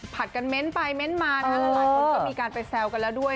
ผัดกันเม้นต์ไปเม้นต์มาหลายคนก็มีการไปแซวกันแล้วด้วย